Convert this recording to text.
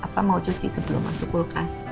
nanti lemah mau cuci sebelum masuk kulkas